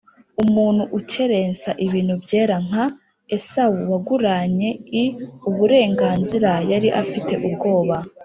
umuntu ukerensa ibintu byera nka Esawu waguranye i uburenganzira yari afite ubwoba